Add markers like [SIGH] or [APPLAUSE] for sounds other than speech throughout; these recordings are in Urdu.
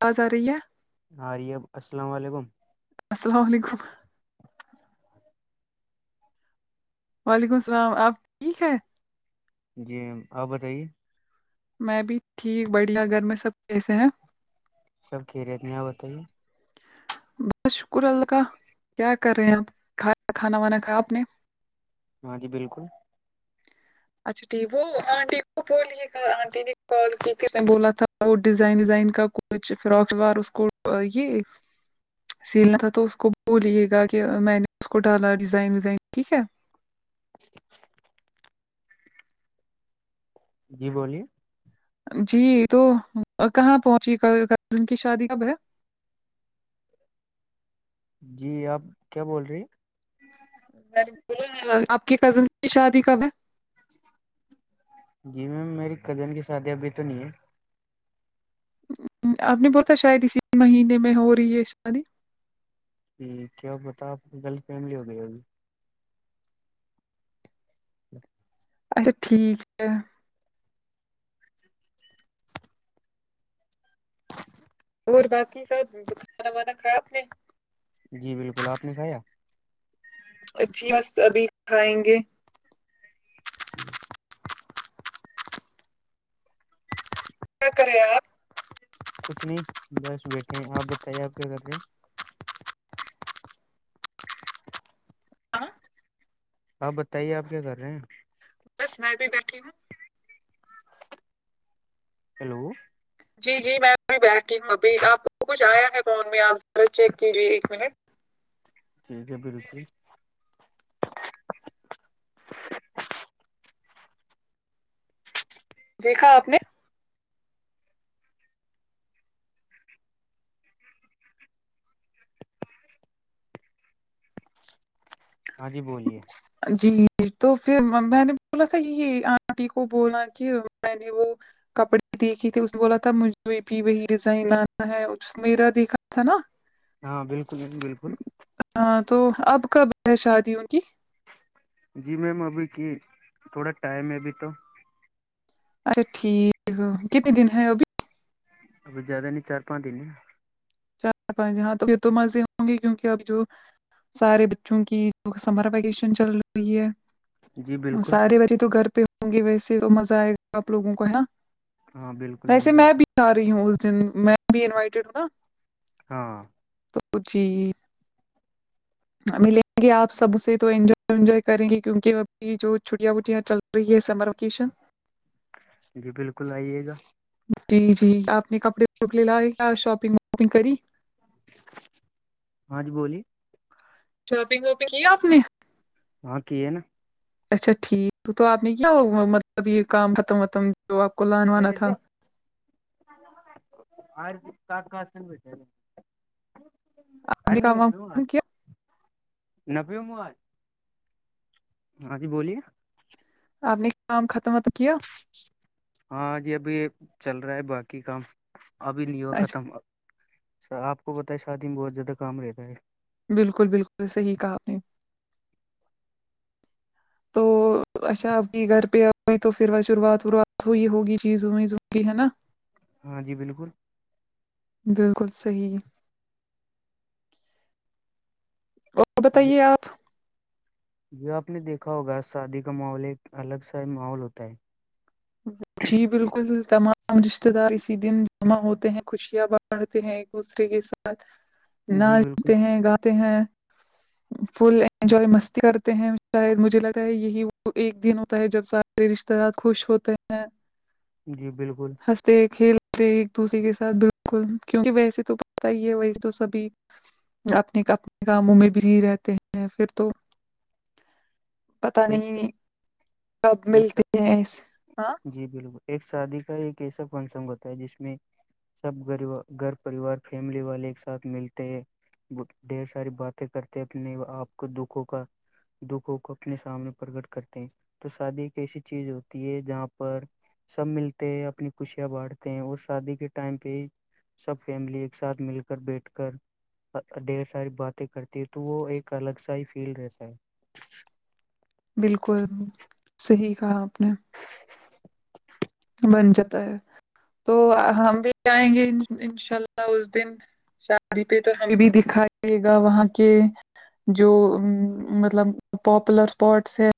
تازا ریہ ہاریب السلام علیکم السلام علیکم [UNINTELLIGIBLE] وعلیکم السلام آپ ٹھیک ہیں جی آپ بتائیے میں بھی ٹھیک بڑھیا گھر میں سب کیسے ہیں سب کھی رہےتے ہیں یہ بتائیے بس شکر اللہ کا کیا کر رہے ہیں آپ کھ کھانا وانا کھا آپ نے ہاں جی بالکل اچھا ٹھیک وہ آنٹی کو بلیے کہ آنٹی نے کال کی کس نے بولا تھا آ ڈیزائن ویزائن کا کچھ فراک شلوار اس کو یہ سیلنا تھا تو اس کو بولیے گا کہ میں نے اس کو ڈالا ڈیزائن ویزائن ٹھیک ہے [UNINTELLIGIBLE] جی بولیے جی تو کہاں پہنچی کزن کی شادی کب ہے جی آپ کیا بول رہی آپ کی کزن کی شادی کب ہے جی میم میری کزن کی شادی ابھی تو نہیں ہے آپ نے بولتا شاید اسی مہینے میں ہو رہی ہے شادی جی کیا بتا آپ غلط فیمی ہو گئی ہوگی ہی اچھا ٹھیک ہے اور باقی سب کھانا وانا خراب نے جی بالکل آپ نے کایا ا جھی بس ابھی کھائیں گے [UNINTELLIGIBLE] کیا کہ رہے ہیں آپ کچھ نہیں بس بیٹھے ہیں آپ بتائیے آپ کیا کر رہے ہو آ آپ بتائیے آپ کیا کر رہے ہیں بس میں بھی بیٹھی ہوں ہیلو جی جی میں ابھی بیٹھتی ہوں ابھی آپ کچھ آیا ہے فون میں آپ ذرا چیک کیجیے ایک منٹ ٹھیک ہے پیر جی دیکھا آپ نے ہاں جی بولیے جی تو پھر میں نے بولا تھا یہ آنٹی کو بولا کہ میں نے وہ کپڑے دیکھے تھے اس نے بولا تھا مجھے بھی وہی ڈیزائن آنا ہے میرا دیکھا تھا نا ہاں بالکل بالکل ہاں تو اب کب ہے شادی ان کی جی میم ابھی کی تھوڑا ٹائم ہے ابھی تو اچھا ٹھیک ہو کتنے دن ہے وہ بھی ابھی زیادہ نہیں چار پانچ دن ہیں چار پانچ یہاں تو پھر تو مزے ہوں گے کیونکہ اب جو سارے بچوں کی جو سمر ویکیشن چل رہی ہے جی بالکل سارے بچے تو گھر پہ ہوں گے ویسے تو مزہ آئے گا آپ لوگوں کو ہے ہاں بالکل میم ویسے میں بالکل بھی آ رہی ہوں اس دن میں بھی انوائٹیڈ ہوں نا ہاں تو جی ملیں گے آپ سب سے تو انجوائے وینجوائے کریں گے کیونک ابھی جو چھٹیاں بٹیا چل فری یہ سمر وکیشن جی بالکل آئیے گا جی جی آپ نے کپڑے لے لائے کیا شاپنگ وپنگ کری ہاں جی بولیے شاپنگ واپنگ کی آپ نے ہاں کی ہے نا اچھا ٹھیک تو آپ نے کیا مطلب یہ کام ختم وتم تو آپ کو [INAUDIBLE] لان وانا تھا آپ ارے نے م ن کام وام پ م ختم کیا ن پ م آج ہاں جی بولیے آپ نے کام ختم تو کیا ہاں جی ابھی چل رہا ہے باقی کام ابھی نہیں ہوا اچھا ختم س آپ کو پتا ہے شادی میں بہت زیادہ کام رہتا ہے بالکل بالکل صحیح کہا آپ نے [INAUDIBLE] تو اچھا آپ کی گھر پہ آئے تو پھر شروعات وروعات ہوئی ہوگی چیز ویز ہو کی ہے نا ہاں جی بالکل بالکل صحیح ہے تو بتائیے آپ یہ آپ نے دیکھا ہوگا شادی کا ماحول ایک الگ سا ہی ماحول ہوتا ہے جی بالکل تمام رشتتے دار اسی دن جمع ہوتے ہیں خوشیا ب پڑھتے ہیں ایک دوسرے کے ساتھ [INAUDIBLE] بالکل ناچتے ہیں گاتے ہیں [INAUDIBLE] فل انجوائے مستی کرتے ہیں شاید مجھے لگتا ہے یہی وہ ایک دن ہوتا ہے جب سارے رشتے دار خوش ہوتے ہیں جی بالکل ہنستے کھیلتے ایک دوسرے کے ساتھ بالکل کیونک ویسے تو پت ہی ہے ویس تو سبھی اپنے اپنے کاموں میں بزی رہتے ہیں پھر تو پتا ایک نہیں کب ایک ملتی ہیں ہاں جی بالکل ایک شادی کا ایک ایسا فنکشن ہوتا ہے جس میں سب گ گھر پریوار فیملی والے ایک ساتھ ملتے ہیں ڈھیر ساری باتیں کرتے اپنے آپ کو دکھوں کا دکھوں کا اپنے سامنے پرکٹ کرتے ہیں تو شادی ایک ایسی چیز ہوتی ہے جہاں پر سب ملتے ہیں اپنی خوشیاں بانٹتے ہیں اور شادی کے ٹائم پہ سب فیملی ایک ساتھ مل کر بیٹھ کر ڈھیر ساری باتیں کرتی ہے تو وہ ایک الگ سا ہی فیل رہتا ہے بالکل صحیح کہا آپ نے [UNINTELLIGIBLE] بن جاتا ہے تو ہم بھی جائیں گے انشاء اللہ اس دن شادی پہ تو ہمیں بھی دکھائیے گا وہاں کے جو مطلب پاپولر اسپاٹس ہے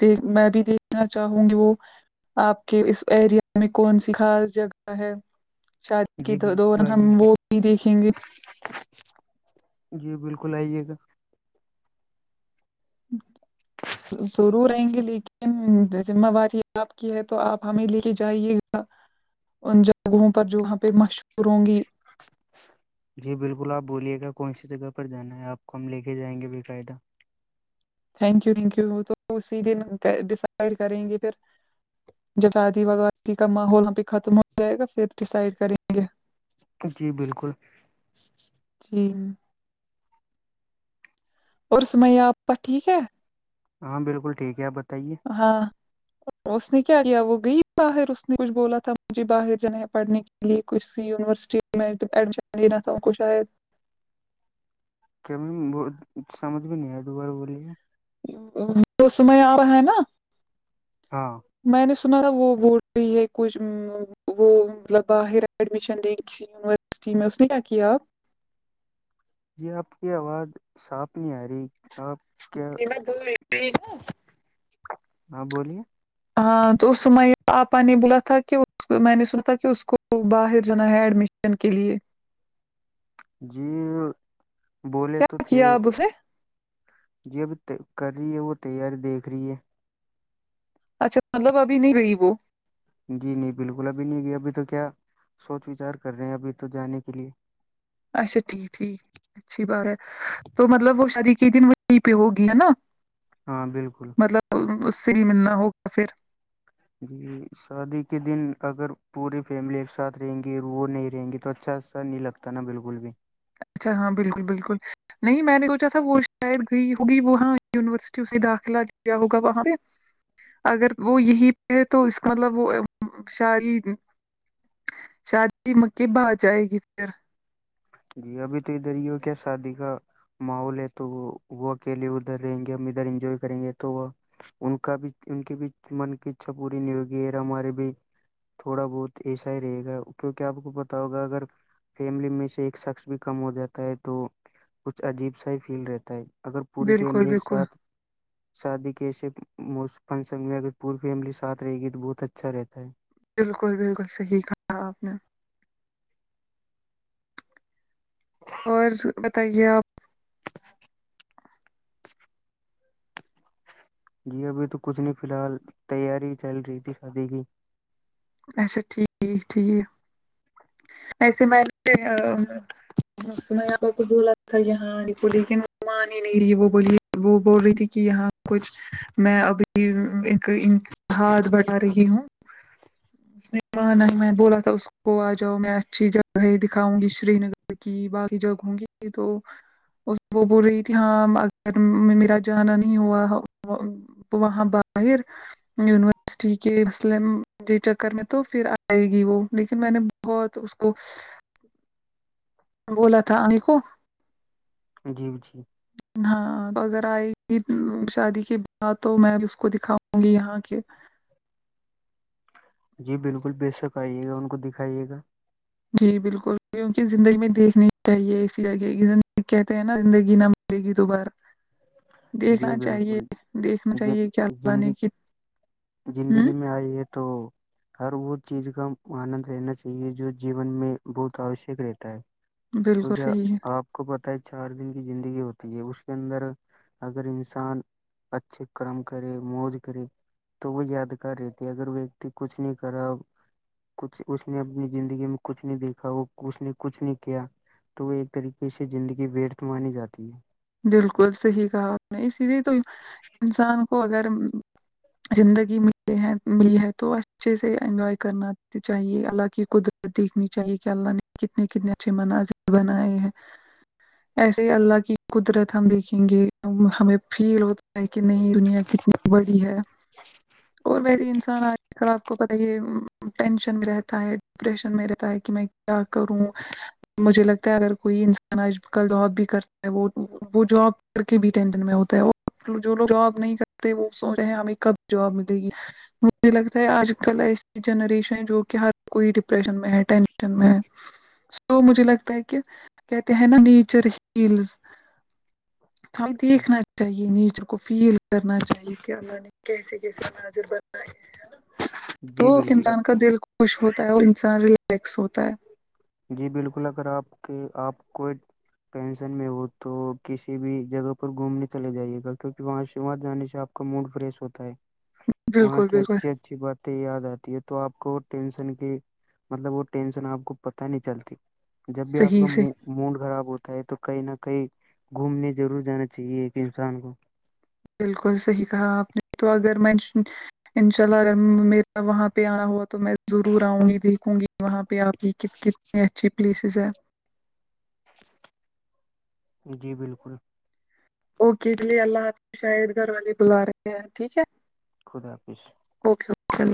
دیک میں بھی دیکھنا چاہوں گی وہ آپ کے اس ایریا میں کون سی خاص جگہ ہے شادی کے جی دور بالکل آئیے ہم گا وہ بھی دیکھیں گے جی بالکل آئیے گا ضرور آئیں گے لے کے ذمہ واری آپ کی ہے تو آپ ہمیں لے کے جائیے گا ان جگہوں پر جو وہاں پہ مشہور ہوں گی [UNINTELLIGIBLE] جی بالکل آپ بولیے گا کون سی جگہ پر جانا ہے آپ کو ہم لے کے جائیں گے بےقاعدہ تھینک یو تھینک یو تو اسی دن ڈڈ کریں گے پھر جب شادی وگادی کا ماحول بھی ختم ہو جائے گا ڈسائڈ کریں گے جی بالکل جی اور سمیا آپا ٹھیک ہے ہاں بالکل ٹھیک ہے آپ بتائیے ہاں اس نے کیا کیا وہ گئی باہر اس نے کچھ بولا تھا مجھے باہر جانا پڑھنے کی لیے کچھ یونیورسٹی میں ایڈمیشن دینا تھاوں کو شاید کیام سمجھ بھی نہیں آ دو بارہ بولیے وہ سمے آ رہا ہے نا ہاں میں نے سنا تھا وہ بول رہی ہے کچھ وہ مطلب باہر ایڈمیشن دیں ک یونیورسٹی میں اس نے کیا کیا آپ جی آپ کی آواز صاف نہیں آ رہی آپ کیا پ ب ہے ہاں بولیے ہاں تو اسم آپا نے بولا تھا کہ میں نے سنا تھا کہ اس کو باہر جانا ہے ایڈمیشن بن کے لیے جی بولے تو کیا تھے کیا آپ اسے جی ابھی کر رہی ہے وہ تیاری دیکھ رہی ہے اچھا مطلب ابھی نہیں رہی وہ [UNINTELLIGIBLE] اچھا ٹھیک ٹھیک اچھی بات ہے تو مطلب وہ شادی کے دن وہ وہیں پہ ہوگی ہے نا ہاں بالکل مطلب اس سے ہی ملنا ہوگا پھر جی شادی کے دن اگر پوری فیملی ایک ساتھ رہیں گی وہ نہیں رہیں گی تو اچھا سا نہیں لگتا ا بالکل بھی اچھا ہاں بالکل بالکل نہیں میں نے سوچا تھا وہ شاید گئی ہوگی وہاں یونیورسٹی اسے داخلہ دیا ہوگا وہاں پہ اگر وہ یہی پہ ہے تو اس کا مطلب وہ شاعری شادی میںکیب آ جائے گی پھر [UNINTELLIGIBLE] ماحول ہے تو وہ اکیلے ادھر رہیں گے ہم ادھر انجوائے کریں گے تو وہ ان کا بھی ان کے بھی من کی اچھا پوری نہیں ہوگی اور ہمارے بھی تھوڑا بہت ایسا ہی رہے گا کیوںکہ آپ کو پتا ہوگا اگر فیملی میں سے شخص بھی کم ہو جاتا ہے تو کچھ عجیب سا ہی فیل رہتا ہے اگر پوری بالکل فیملی ایک بالکل ساتھ شادی کے ایسے فنسن میں اگر پوری فیملی ساتھ رہے گی تو بہت اچھا رہتا ہے بالکل بالکل صحیح کہا آپ نے اور بتائیے آپ جی ابھی تو کچھ نہیں فی الحال تیاری چل رہی تھی شادی کی اچھا ٹھیک ٹھیک ایسے میں س میںپ ک بولا تھا یہاں لیکن مان ہی نہیں رہی وہ بلی وہ بول رہی تھی کہ یہاں کچھ میں ابھی انتاد بٹا رہی ہوں اس نے کہ نہیں میں بولا تھا اس کو آج جو میں اچھی جگہ ہی دکھاؤں گی سری نگر کی باقی جگہ ہوں گی تو وہ بول رہی تھی ہاں اگر میرا جانا نہیں ہوا وہاں باہر یونیورسٹی کے ملم چکر میں تو پھر آئے گی وہ لیکن میں نے بہت اس کو بولا تھا ان کو جی ب جی [UNINTELLIGIBLE] ہاں تو اگر آئے گی شادی کے بعد تو میں اس کو دکھاؤں گی یہاں کے جی بالکل بے شک آئیے گا ان کو دکھائیے گا جی بالکل کیونکہ زندگی میں دیکھنی چاہیے اسی لگہ کہتے ہیں نا زندگی نہ دے گی دوبار گی بیروبور دیکھنا گ چاہیے کہ اللہ گینندی نے کی ہوں زندگی میں آئی ہے تو ہر وہ چیز کا آنند رہنا چاہیے جو جیون میں بہت آوشک رہتا ہے بالکل کیونکہ صحیح ہے آپ کو پت ہے چار دن کی زندگی ہوتی ہے اس کے اندر اگر انسان اچھے کرم کرے موج کرے تو وہ یادگار رہتی ہے اگر وہ وتی کچھ نہیں کرا کچھ اس نے اپنی زندگی میں کچھ نہیں دیکھا وہ اس نے کچھ نہیں کیا تو ایک طریقے سے زندگی بیرتھ مانی جاتی ہے بالکل صحیح کہا آپ نے اسی لیے تو انسان کو اگر زندگی م ملی ہے تو اچھے سے انجوائے کرنا چاہیے اللہ کی قدر دیکھنی چاہیے کہ اللہ نے کتنے کتنے اچھے مناظر بنائے ہیں [UNINTELLIGIBLE] ایسے ہی اللہ کی قدرت ہم دیکھیں گے ہمیں فیل ہو کہ نہیں دنیا کتنی بڑی ہے اور ویسے انسان آگ خ آ کو پت ہے کہ ٹینشن میں رہتا ہے ڈپریشن میں رہتا ہے کہ میں کیا کروں مجھے لگتا ہے اگر کوئی انسان آج کل دحا بھی کر وہ وہ جاب کر کے بھی ٹینشن میں ہوتا ہے وہ جو لوگ جاب نہیں کرتے وہ سوچ رہے ہیں ہمیں کب جاب ملے گی مجھے لگتا ہے آج کل ایسی جنریشن ہے جو کہ ہر کوئی ڈپریشن میں ہے ٹینشن میں ہے سو مجھے لگتا ہے کہ کہتے ہیں نا نیچر ہیلز ہھائی دیکھنا چاہیے نیچ کو فیل کرنا چاہیے کہ اللہ نے کیسے کیسے ناظر بنا ہےا تو جی بالکل انسان کا دل خوش ہوتا ہے اور انسان ریلیکس ہوتا ہے جی بالکل اگر آپ کے آپ کوئی پینسن میں ہو تو کسی بھی جگہ پر گھومنے چلے جائیے گا کیوںکہ وہاں سے وہاں جانے سے آپ کا موڈ فریش ہوتا ہے وہاں بالکل کی بالکل اچھی اچھی بات یاد آتی ہے تو آپ کو ٹینشن کے مطلب وہ ٹینشن آپ کو پت نہیں چلتی جب بھی آپ صحیح کا سے منہ موڈ خراب ہوتا ہے تو کہیں نہ کہیں گھومنے ضرور جانا چاہیے ایک انسان کو بالکل صحیح کہا آپ نے تو اگر م انشاء اللہ میرا وہاں پہ آنا ہوا تو میں ضرور آؤں گی دیکھوں گی وہاں پہ آپ کی کت ک یہ اچھی پلیسز ہیں جی بالکل اوکے اس لیے اللہ آپ شاید گھر والے بلا رہے ہیں ٹھیک ہے خدا حافظ اوکے اوکے ال